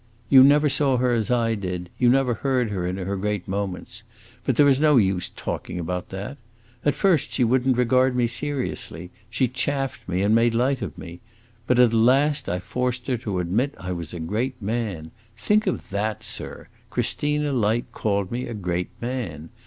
"You never saw her as I did; you never heard her in her great moments. But there is no use talking about that! At first she would n't regard me seriously; she chaffed me and made light of me. But at last I forced her to admit I was a great man. Think of that, sir! Christina Light called me a great man.